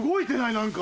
何か。